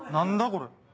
これ。